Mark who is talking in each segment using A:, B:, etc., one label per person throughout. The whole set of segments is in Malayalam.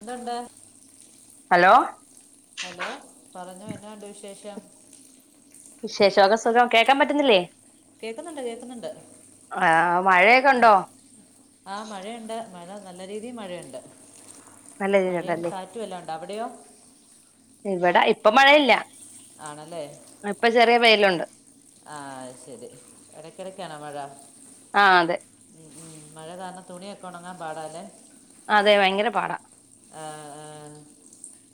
A: എന്തുണ്ട്.
B: Hello
A: hello. പറഞ്ഞോ. എന്നെണ്ട് വിശേഷം.
B: വിശേഷോക്കെ സുഖം. കേൾക്കാൻ പറ്റുന്നില്ലേ.
A: കേൾക്കുന്നുണ്ട് കേൾക്കുന്നുണ്ട്
B: ആഹ് മഴയൊക്കെ ണ്ടോ?
A: ആഹ് മഴയുണ്ട്. മഴ നല്ല രീതിൽ മഴയുണ്ട്.
B: നല്ല രീതിയിൽ
A: മഴയും
B: ഉണ്ടല്ലേ.
A: കാറ്റും എല്ലാം ഉണ്ട് അവിടെയോ
B: ഇവിടെ ഇപ്പൊ മഴയില്ല.
A: ആണല്ലേ.
B: ഇപ്പൊ ചെറിയ വെയില്
A: ആഹ് അഹ് ശരി. ഇടക്കിടക്കണോ മഴ.
B: ആഹ് അതെ
A: ഉം ഉം മഴ കാരണം തുണിയൊക്കെ ഉണങ്ങാൻ പാടാലേ.
B: അതെ ഭയങ്കര പാടാ.
A: ആഹ് ആഹ്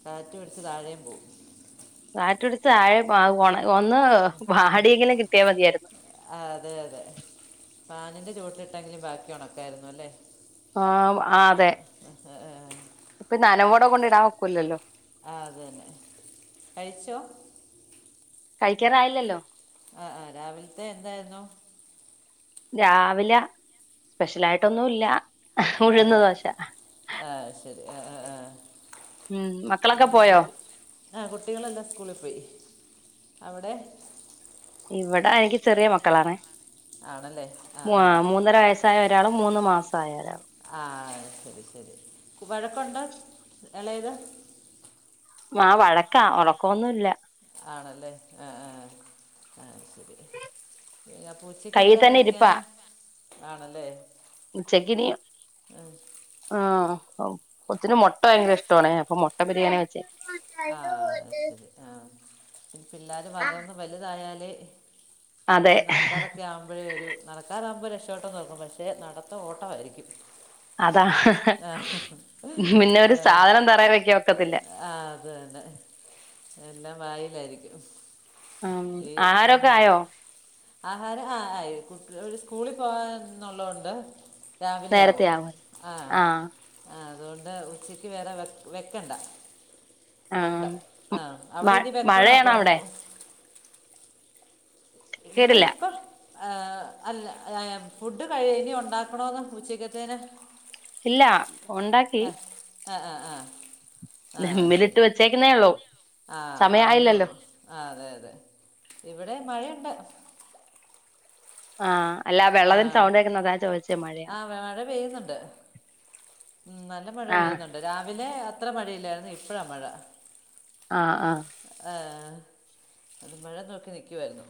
A: കാറ്റടിച്ച് താഴെ പോവും.
B: കാറ്റുടിച്ച താഴെ പോ ഒന്ന് വാടിയെങ്കിലും കിട്ടിയാൽ മതിയായിരുന്നു.
A: ആഹ് അതെ അതെ. ഫാനിന്റെ ചോട്ടിൽ ഇട്ടെങ്കിലും ബാക്കി ഉണക്കായിരുന്നു അല്ലേ.
B: ആം ആഹ് അതെ
A: ആ,
B: ഇപ്പൊ നനവോടെ കൊണ്ട് ഇടാൻ ഒക്കൂല്ലല്ലോ.
A: ആഹ് അതെ തെ. കഴിച്ചോ?
B: കഴിക്കാറായില്ലല്ലോ.
A: ആഹ് ആഹ് രാവിൽത്തെ എന്തായിരുന്നു.
B: രാവിലെ സ്പെഷെലായിട്ടൊന്നും ഇല്ല.
A: ആഹ്
B: ഉഴുന്ന്
A: ആഹ്
B: ദോശ
A: ആഹ് ശരി. ആഹ് ആഹ് ആഹ്.
B: ഉം മക്കളൊക്കെ പോയോ?
A: ആഹ് കുട്ടികളല്ലാം സ്കൂളിൽ പോയി. അവ്ടെ.
B: ഇവിടെ എനിക്ക് ചെറിയ മക്കളാണ്
A: ആണല്ലേ ആ
B: മൂ
A: ആ
B: മൂന്നര വയസ് സായ ഒരാളും മൂന്ന് മാസായ ഒരാളും
A: ആഹ് ശരി ശരി വഴക്കുണ്ട് ഇളത്
B: ആഹ് വഴക്കാ ഉറക്കൊന്നുല്ല
A: ആണല്ലേ ആഹ് ആഹ് ആഹ് ശരി അപ്പൊ ഉച്ചക്ക്
B: കയ്യിൽ
A: എന്താ
B: തന്നെ ഇരിപ്പാ
A: കഴിക്കാന് ആണല്ലേ
B: ഉച്ചക്കിനിയ്
A: ഉം.
B: ആഹ് കൊച്ചിന് മൊട്ട ഭയങ്കര ഇഷ്ടണേ അപ്പൊ മൊട്ട ബിരിയാണി വെച്ചേ
A: ആഹ് അഹ് ശരി ആഹ് പിള്ളേർ ഒന്ന് വലുതായല്
B: അതെ
A: ഇച്ചി നട നടക്കാരൊക്കെ ആകുമ്പോഴേ ഒരു നടക്കാറൊക്കെ ആകുമ്പ രക്ഷപെട്ട് തോന്നും പക്ഷേ നടത്തം ഓട്ടമായിരിക്കും
B: അതാ
A: ആ.
B: പിന്നെ ഒരു സാധനം തറാൻ വെക്കൻ വക്കത്തില്ല
A: ആഹ് അത് തന്നെ എല്ലാം വായിലായിരിക്കും
B: ഉം
A: ഈ
B: ആഹാരൊക്കെ
A: ഉം,
B: ആയോ
A: ആഹാരം ആ ആയികുട്ട സ്കൂളി പോവാന്നുള്ളോണ്ട് രാവിലെ
B: നേരത്തെ
A: ആവും
B: ആവോ
A: ആ
B: ആഹ്
A: ആ അതുകൊണ്ട് ഉച്ചക്ക് വേറെ വെ വെക്കണ്ട ഉണ്ട്
B: ആഹ്
A: ആഹ്
B: മ
A: അവടെനി വെക്കണോ അപ്പൊ
B: മഴയാണോ അവിടെ
A: അ ഇവ്ടെ
B: കേട്ടില്ല
A: ഇപ്പൊ ആഹ് അല്ല എ ഫുഡ് കഴ ഇനി ഉണ്ടാക്കണോന്ന് ഉച്ചക്കത്തേനെ
B: ഇല്ല ഉണ്ടാക്കി
A: അഹ് അഹ് അഹ് ആഹ് ആഹ് ശരി
B: ദമ്മിലിട്ട് വെച്ചേക്കുന്നേ ഉള്ളൂ
A: ആ
B: സമയായില്ലല്ലോ
A: അവുന്നള്ളൂ ആഹ് അതെ അതെ ഇവിടെ മഴണ്ട്
B: ആഹ് അല്ല വെള്ളത്തിന്
A: ആ
B: സൗണ്ട്ക്കുന്ന അതാ ചോദിച്ചേ മഴണ്ട
A: ആഹ് മഴ പെയ്യുന്നുണ്ട് ഉം നല്ല മഴ പെയ്യുന്നുണ്ട് രാവിലെ അത്ര മഴയില്ലായിരുന്നു ഇപ്പഴാ മഴ
B: ആഹ് ആഹ്
A: ആഹ് ഏ അത് മഴ നോക്കി നിക്കുവായിരുന്നോ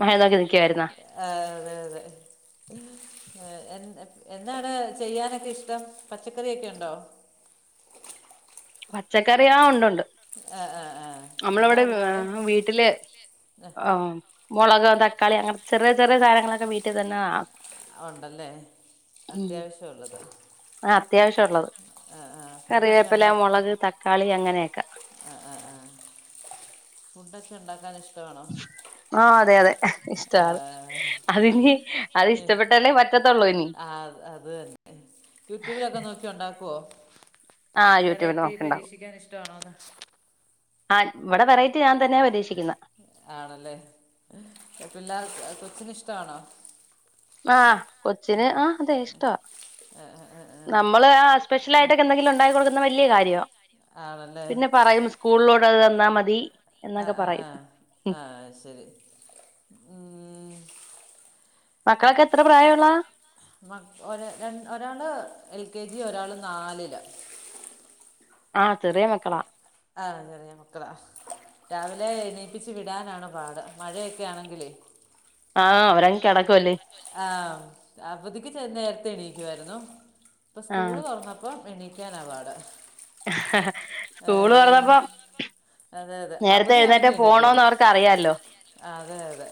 B: മയനോക്കി നിക്കുവായിരുന്നു
A: ആഹ് അതെ അതെ എ എന്താണ് ചെയ്യാനൊക്കെ ഇഷ്ടം പച്ചക്കറിയൊക്കെണ്ടോ
B: പച്ചക്കറിയാ ഉണ്ടുണ്ട്
A: ആഹ് ആഹ് ആഹ് എന്താ
B: നമ്മളവിടെ
A: ഉള്ളെ അവിടെ
B: വീട്ടിലെ ആഹ് മുളക് തക്കാളി അങ്ങനെ ചെറെ ചെറെ സാധനങ്ങളൊക്കെ വീട്ടിതെന്നെ ആക്കും
A: ആഹ് ഉണ്ടല്ലേ അത്യാവശ്യംള്ളത്
B: ആ അത്യാവശ്യള്ളത്
A: ആഹ് ഫുഡൊക്കെ
B: കറിവേപ്പില മുളക് തക്കാളി അങ്ങനെയൊക്കെ
A: അഹ് ആഹ് ആഹ് ഫുഡൊക്കെ ഉണ്ടാക്കാൻ ഇഷ്ടവാണോ
B: ആഹ് അതെ അതെ ഇഷ്ടാണ് അതിനി അത് ഇഷ്ടപ്പെട്ടല്ലേ പറ്റത്തുള്ളൂ ഇനി
A: ആഹ് അത് തന്നെ യൂട്യൂബിലൊക്കെ നോക്കി ഉണ്ടാക്കോ
B: ആഹ് യൂട്യൂബിൽ
A: വെറൈറ്റി
B: നോക്കിണ്ടാവും
A: പരീക്ഷിക്കാൻ ഇഷ്ടണോ അതോ
B: ആഹ് ഇവടെ വെറൈറ്റി ഞാൻ തന്നെ പരീക്ഷിക്കുന്ന
A: ആണല്ലേ പിള്ളക്ക് കൊച്ചിന ഇഷ്ടമാണോ
B: ആഹ് കൊച്ചിനെ ആ അതെ ഇഷ്ടവാ
A: ആഹ് ആഹ് ആഹ്
B: നമ്മള് ആ സ്പെഷ്യലായിയിട്ടൊക്കെന്തെങ്കിലുക്കെണ്ടാക്കി കൊടുക്കുന്നതൊക്കെ വല്യകാര്യ
A: ആണല്ലേ.
B: പറയും സ്കൂളിലോട് അത് തന്നാ മതി. എന്നൊക്കെ
A: ആഹ് ആഹ്
B: പറയും
A: ആ ആഹ് ശരി ഉം.
B: മക്കളൊക്കെ എത്ര പ്രായുള്ള?
A: മ ഒ ര ഒരാള് എൽ കെ ജി ഒരാള് നാലില്.
B: ആഹ് ചെറിയ മക്കളാ.
A: ആഹ് ചെറിയ മക്കളാ. രാവിലെ എണീപ്പിച് വിടാനാാണ് പാട് മഴയൊക്കെ ആണെങ്കിലെ
B: ആഹ് അവരങ്ങ് കെടക്കുംല്ലേ.
A: ആഹ് അവധിക്ക് നേരത്തെ എണീക്കുവായിരുന്നു ഇപ്പൊ
B: ആഹ്
A: സ്കൂള് തുറന്ന പ്പംഎണിക്കാന പാട്.
B: സ്കൂള് തുറന്നപ്പോ
A: ഏഹ്. അതെ അതെ
B: നേരത്തെ എഴുന്നേറ്റ്
A: അവധിയാണെങ്കി
B: പോണോന്ന്
A: എണീറ്റോളും
B: അവർക്ക് അറിയാലോ
A: അതെ അതെ.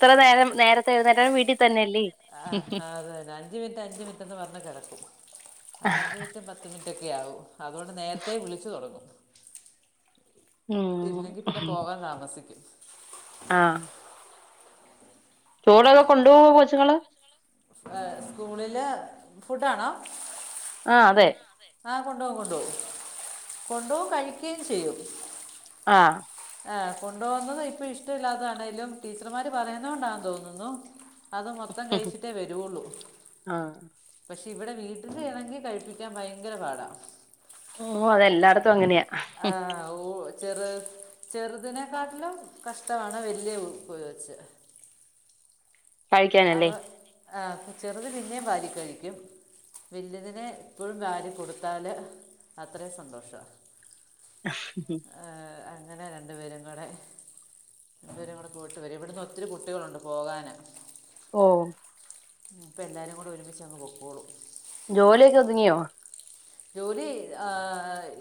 B: ഇത്ര നേരം നേരത്തെ എഴുന്നേറ്റാലും വീട്ടി തന്നെയല്ലേ?
A: ആ അതന്നെ അഞ്ച് മിനിറ്റ് അഞ്ച് മിനിറ്റ്ന്ന് പർഞ് കെടക്കും അത് അഞ്ച് മിൻറ്റും പ ത്ത് മിൻറ്റൊക്കെ ആവും അതോണ്ട് നേരത്തെേ വിളിച്ചു തൊടങ്ങും.
B: ഉം
A: ഇല്ലെങ്കിപിന്നെ പോകാൻ താമസിക്കും.
B: ആഹ്. ചോടൊക്കെ കൊണ്ട് പോകോ കൊച്ചുങ്ങള്?
A: ഏഹ് സ്കൂളില് ഫുഡാണോ?
B: ആഹ് അതെ.
A: ആഹ് കൊണ്ടോവും കൊണ്ടോവും കൊണ്ടോവും കഴിക്കോം ചെയ്യും.
B: ആഹ്.
A: ആ കൊണ്ടോകുന്നതും ഇപ്പൊ ഇഷ്ടമില്ലാതാണേലും ടീച്ചർമാര് പറയുന്നോണ്ടാന്ന് തോന്നുന്നു അത് മൊത്തം കഴിച്ചിട്ടേ വരൊള്ളൂ
B: ആഹ്
A: പക്ഷെ ഇവിടെ വീട്ടിലാണെങ്കി കഴിപ്പി പിക്ക്യാൻ ഭയങ്കര പാടാ.
B: ഉം അതെല്ലാട്ത്തും അങ്ങനെയാ.
A: ആഹ് ഓ. ചെറ് ചെറ്തിനെക്കാട്ടിലും കഷ്ടമാണ് വല്യ പോ വെച്ച്.
B: കഴിക്കാനല്ലേ
A: ആഹ് ആ ചെറുത് പിന്നേ വാരി കഴിക്കും. വല്ല്യതിനെ ഇപ്പോഴും വാരി കൊടുത്താല് അത്രയും സന്തോഷം. ഏ അങ്ങനെ രണ്ടു പേരും കൂടെ ഇവരും കൂടെ പോയിട്ട് വരും ഇവിടുന്ന് ഒത്തിരി കുട്ടികളുണ്ട് പോകാന്.
B: ഓ.
A: ഇപ്പം എല്ലാരും കൂടെ ഒരുമിച്ചങ് പൊക്കോളും.
B: ജോലിയൊക്കെ ഒതുങ്ങിയോ?
A: ജോലി ആ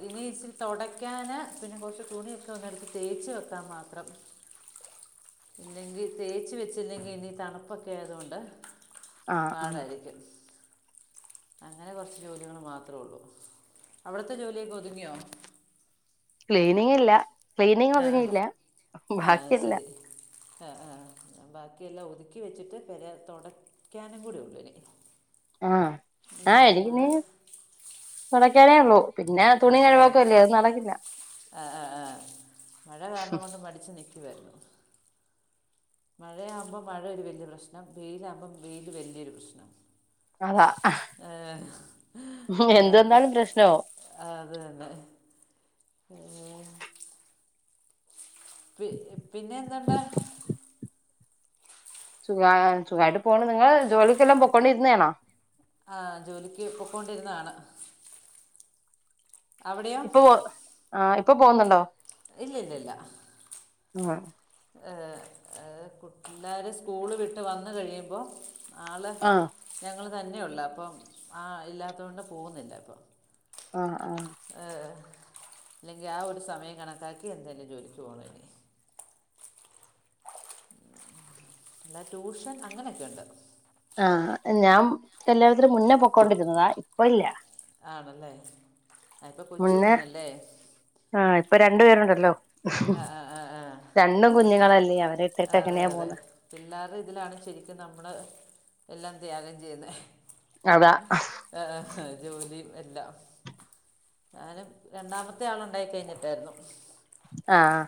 A: ഇനി ഇച്ച തൊടക്ക്യാന് പിന്നെ കൊർച്ച് തുണി സൊന്നിട്ത്ത് തേച്ച് വെക്കാ മാത്രം. ഇല്ലെങ്കി തേച്ച്‌ വെച്ചില്ലെങ്കി ഇനി തണുപ്പൊക്കെ ആയതോണ്ട്
B: ആഹ് ആഹ്
A: പാടായിരിക്കും അങ്ങനെ കൊർച്ച് ജോലികൾ മാ അത്രേള്ളൂ അവിട്ത്തെ ജോലിയൊക്കെ ഒതുങ്ങ്യോ?
B: ക്ലീനിങ്ങ്ല്ല ക്ലീനിങ്
A: ആ
B: ഒതുങ്ങില്ല
A: ആ
B: ബാക്കില്ല
A: ശരി ആ ആഹ് ബാക്കിയെല്ലാം ഒതുക്കി വെച്ചിട്ട് പെരെ തൊട ക്കാനും കൂടെ ഉള്ളൂ എനി
B: ആഹ് ആഹ് എന്തെയ്യ്ന്ന്? തുടയ്ക്കാനേ ഉള്ളൂ പിന്നെ തുണി [unintelligible] അത് നടക്കില്ല.
A: ആഹ് ആഹ് ആഹ് മഴ കാരണം കൊണ്ട് മടിച്ച് നിക്കു വാരുന്നു. മഴയാമ്പം മഴ ഒരു വല്യ പ്രശ്നം വെയിലാമ്പം വെയില് വല്യൊരു പ്രശ്നം.
B: അതാ അഹ്
A: ആ,
B: എന്ത് വന്നാലും പ്രശ്നാവു
A: അതു തന്നെ ഏഹ് പി പിന്നെ എന്തണ്ടാ?
B: സുഗാ സുഖായിട്ട് പോണ്. നിങ്ങള് ജോലിക്കെല്ലം പൊക്കൊണ്ടിരുന്നെ ആണോ?
A: ആഹ് ജോലിക്ക് പൊക്കോണ്ടിരുന്നതാണ്. അവിടെയോ
B: ഇപ്പൊ പോ ആഹ് ഇപ്പൊ പോുന്നുണ്ടോ?
A: ഇല്ല ല്ലല്ല.
B: ആഹ്
A: ഏ ഏ കു ള്ളേർ സ്കൂള് വിട്ട് വന്ന് കഴിയുമ്പോ ആള്
B: ആഹ്
A: ഞങ്ങള് തന്നെ ഉള്ളൂ. അപ്പം ആഹ് ഇല്ലാത്തോണ്ട് പോകുന്നില്ല അപ്പം.
B: ആഹ് ആഹ്
A: ആഹ് അല്ലെങ്കി ആ ഒരു സമയം കണക്കാക്കി എന്തേലും ജോലിക്ക് പോണേയ്നി. എന്താ ട്യൂഷൻ അങ്ങനെയൊക്കെ ഉണ്ട്.
B: ആഹ് ഞാം കല്യാണത്തിന് മുന്ന പൊക്കൊണ്ടിരുന്നതാ. ഇപ്പല്ല.
A: ആണല്ലേ. ആ ഇപ്പോൾ കൊച്ചു
B: മുന്നെ
A: കുഞ്ഞല്ലേ
B: ആഹ് ഇപ്പൊ രണ്ടു പേരുണ്ടല്ലോ
A: ആ
B: രൺ ണ്ടും കുഞ്ഞുങ്ങളല്യോ
A: ആഹ് അതെ അതെ പിള്ളാരുടെ ഇതിലാണ് ശരിക്കും നമ്മള് എല്ലാം ത്യാഗം ചെയ്യുന്നെ.
B: അതാ.
A: എആഹാ ജോലിയും എല്ലാം. ഞാനും രണ്ടാമത്തെ ആളുണ്ടായി കഴിഞ്ഞിട്ടായിരുന്നു.
B: അആഹ്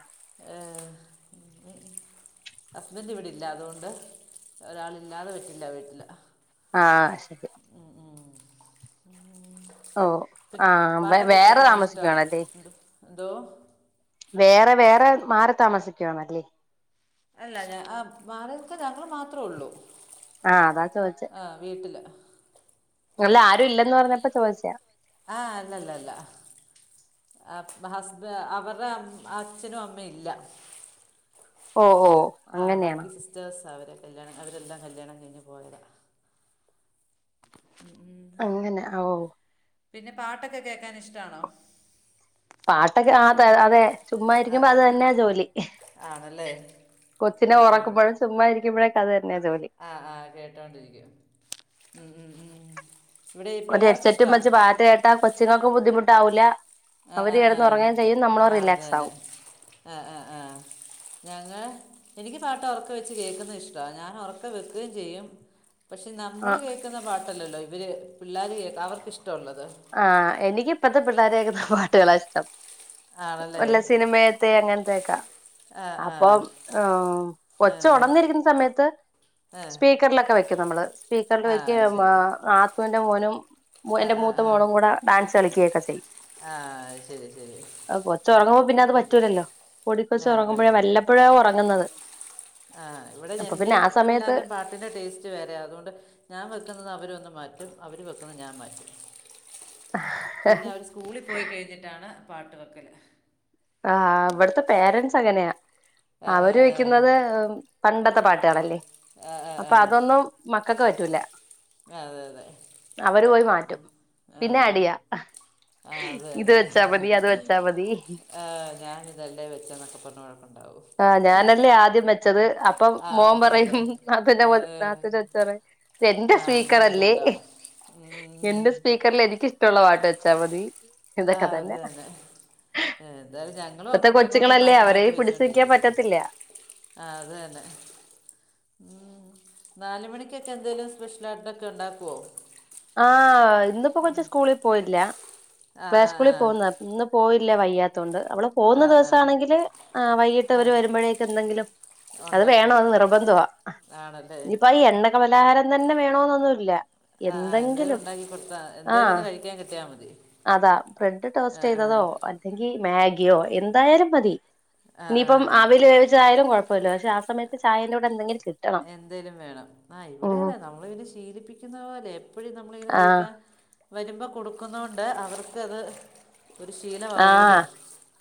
A: ഏഹ് [unintelligible] ഹസ്ബൻഡിവിടില്ല. അതുകൊണ്ട് ഒരാളില്ലാതെ പറ്റില്ല വീട്ടില്.
B: ആഹ് ശരി.
A: ഉം ഉം
B: ഓ
A: പി
B: ആഹ് വേ
A: പാട്ടൊക്കെ
B: വേറെ
A: കേക്കാൻ ഇഷ്ടാണോ?
B: താമസിക്കുവാണല്ലേ
A: ന്തൊ എന്തോ?
B: വേറെ വേറെ മാറി താമസിക്കുവാണല്ലേ?
A: അല്ല ഞ ആഹ് വാടകക്ക് ഞങ്ങള് മാത്രെ ഉള്ളൂ.
B: ആഹ് അതാ ചോദിച്
A: ആഹ് വീട്ടില്.
B: അല്ല ആരും ഇല്ലന്ന് പറഞ്ഞപ്പ ചോദിച്ചയാ.
A: ആഹ് അല്ലല്ലല്ല. അ വ ഹസ്ബ അവരെ ആ അച്ഛനും അമ്മയും ല്ല.
B: ഓഹ് ഓഹ്
A: ആഹ് ബാക്കി സിസ്റ്റേഴ്സാ അവര് കല്യാണം അവരെല്ലാം കല്യാണം കഴിഞ്ഞ് പോയവരാ. ഉം ഉം
B: അങ്ങനെ ഓഹ്
A: പിന്നെ പാട്ടൊക്കെ കേക്കാൻ ഇഷ്ട്ടാണോ
B: പാട്ടൊക്കെ ആത അതേ ചുമ്മാതിരിക്കുമ്പോ അത് തന്നെയാ ജോലി
A: ആണല്ലേ
B: കൊച്ചിനെ
A: ആ ആ
B: ഒറക്കുമ്പഴും ചുമ്മായിരിക്കുമ്പഴെക്കെ അത് തന്നെയാ ജോലി
A: ആഹ് ആഹ് കേട്ടോണ്ടിരിക്കും ഉം ഉം ഉം ഇവിടെ ഈ
B: ഒരു
A: പിള്ളേർക്ക്
B: ഹെഡ്സെറ്റും
A: ഇഷ്ടമാണ്
B: വെച്ച് പാട്ട് കേട്ടാ കൊച്ചുങ്ങക്കും ബുദ്ധിമുട്ടാവൂല്ല
A: ആ
B: അവര്
A: ആ ആ
B: കിടന്ന് ഒറങ്ങേം ചെയ്യും നമ്മള് റിലാക്സാവും
A: ആഹ് ആഹ് ആഹ് ഞങ്ങ എനിക്ക് പാട്ട് ഒറക്കെ വെച്ച് കേക്കുന്ന ഇഷ്ട്ടാ ഞാനൊറക്കെ വെക്കേം ചെയ്യും പക്ഷെ
B: ആ
A: നമ്മള് കേക്കുന്ന പാട്ടല്ലല്ലോ ഇവര് പിള്ളേര് കേക്ക അവർക്കിഷ്ട്ടൊള്ളത്.
B: ആഹ് എനിക്ക് ഇപ്പത്തെ പിള്ളേര് കേക്കുന്ന പാട്ടുകളാ ഇഷ്ടം.
A: ആണല്ലേ
B: ഒല്ല സിനിമയത്തെ അങ്ങനത്തേക്ക
A: ആ ആ
B: അപ്പം ഏഹ്
A: ആ
B: കൊച്ച് ഒണന്നിരിക്കുന്ന സമയത്ത്
A: ആ
B: സ്പീക്കറിലൊക്കെ വെക്കും നമ്മള്. സ്പീക്കറിൽ
A: ആ
B: വെക്കേം
A: ശരി
B: ആഹ് നാത്തൂന്റെ മോനും മൊ
A: ആ
B: എന്റെ
A: ആ
B: മൂത്ത
A: ആ
B: മോളും കൂടെ ഡാൻസ് കളിക്യേക്ക ചെയ്യും.
A: ആ ശരി ശരി
B: അഹ് കൊച്ച്
A: ഇവ
B: ഒറങ്ങുമ്പ പിന്നെ അത്
A: ഉം.
B: പറ്റൂലല്ലോ പൊടിക്കൊച്ച്
A: ആ അതെ
B: ഒറങ്ങുമ്പഴേ വല്ല പ്പഴാ ഒറങ്ങുന്നത്.
A: ആഹ് ഇവിടെ എന്റെയും
B: സമയത്ത്
A: പിള്ളാർടേം പാ ട്ടിൻ്റെ ടേസ്റ്റ് വേറയാ അതുകൊണ്ട് ഞാൻ വെക്കുന്നത് അവരു വന്ന് മാറ്റും. അവര് വെക്കുന്ന ഞാൻ മാറ്റും. പിന്ന അവര് സ്കൂളി പോയി കഴിഞ്ഞിട്ടാണ് പാട്ട് വെക്കല്.
B: ആഹ് ഇവിടത്തെ പേരന്റ്സ് അങ്ങനെയാ.
A: ആ
B: അവര്
A: ആ
B: വെക്കുന്നത് പണ്ടത്തെ പാട്ടുകളല്ലേ.
A: ആ ആ ആ
B: അപ്പൊ അതൊന്നും മക്കക്ക് പറ്റൂല.
A: ആ ആ. ആ, അതെ അതെ
B: അവര് പോയി മാറ്റും.
A: ആ
B: പിന്നെ അടിയാ
A: ആ, അത്
B: ഇത് വെച്ചാ മതി അത് വെച്ചാ മതി
A: ആഹ് ഞാനിതെല്ലേ വെച്ചേന്നക്കെ പറഞ്ഞ് വഴക്കൊണ്ടാവും
B: ആഹ് ഞാനല്ലെ ആദ്യം വെച്ചത്. അപ്പ
A: ആ
B: മോൻ
A: അത് തന്നെ
B: പറയും നാത്തൂന്റെ
A: ഏ,
B: മോൻ
A: ഏ.
B: നാത്തൂന്റെ കൊച്ചു പറയും ഇതെന്റെ
A: ആ അങ്ങനെ അടി
B: സ്പീക്കറല്ലേ
A: ഉണ്ടാവും
B: എന്റെ
A: ഉം.
B: സ്പീ ക്കർൽ എനിക്ക് ഇഷ്ട്ടൊള്ള പാട്ട് വെച്ചാ മതി. ഇതൊക്കെ
A: ആഹ്
B: തന്നെ
A: അതന്നെ എന്തായാലും ഞ ങ്ങളും
B: ഇപ്പത്തെ
A: അങ്ങോട്ടും ഇങ്ങോട്ടും
B: കൊച്ചുങ്ങളല്ലേ
A: മാറ്റി
B: അവരെ
A: മാറ്റി
B: പിടിച്ച് നിക്കാൻ
A: വെച്ചോണ്ടിരിക്കും
B: പറ്റത്തില്ല
A: ആഹ് അത് തന്നെ ഉം ഉം നാല് മണിക്കൊക്കെ എന്തേലും സ്പെഷ്യലായിട്ടൊക്കെ ഇണ്ടാക്കുവൊ
B: ആഹ് ഇന്നിപ്പൊ കൊച്ച് സ്കൂളി പോയില്ല
A: ആ
B: പ്ലേ
A: ആ
B: സ്കൂളി
A: ആ
B: പോകുന്നതാ ഇന്ന് പോയില്ല വയ്യാത്തോണ്ട് അവള് പോകുന്ന
A: ആ
B: ദിവസം
A: ആ
B: ആണെങ്കില് ആഹ് വൈകിട്ടവര് വരുമ്പോഴേക്കും എന്തെങ്കിലും അത്
A: ഉണ്ടാക്കി
B: വേണം അത്
A: വെക്കും
B: നിർബന്ധവാ
A: ആണല്ലേ
B: അപ്പ ഈ എണ്ണക്ക പലഹാരം തന്നെ വേണോന്നൊന്നു ഇല്ല
A: ആഹ് ആഹ് എന്തേലും ഉണ്ടാക്കി കൊടുത്താ എന്തേലും
B: ആഹ്
A: ഒന്ന് കഴിക്കാൻ കിട്ടിയാ മതി
B: അതാ ബ്രെഡ്
A: ആ
B: ടോസ്റ്റ് ചെയ്തതോ അല്ലെങ്കി മാഗിയോ എന്തായാലും മതി
A: ആ ആ
B: ഇനിയിപ്പം
A: ആ
B: അവില് വേവിച്ച ആയാലും കൊഴ പ്പില്ല പക്ഷെ ആ സയത്ത് ചായൻന്റുടെ എന്തെിലും കി
A: എന്തേലും വേണം ആഹ് ഇവിടെ അതെ നമ്മള് പിന്നെ ശീലിപ്പിക്കുന്നപോലെ എപ്പഴും എപ്പളും ഇങ്ങനെ
B: ആഹ്
A: കഴിക്കാൻ വരുമ്പ കൊടുക്കുന്നോണ്ട് അവർക്കത് ഒരു ശീല
B: ആഹ്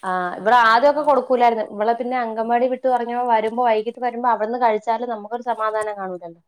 B: ആഹ് ഇവടെ ആദ്യക്കെ
A: അവർ
B: കൊടുക്കൂലായിരുന്ന്. ഇവളെ പിന്നെ അങ്കവാടി വിട്ട് പറഞ്ഞ വരുമ്പോ വൈകീട്ട് വരുമ്പോ അവട്ന്ന് കഴിച്ചാലും നമുക്കൊരു സമാധാനം കാണൂലല്ലോ.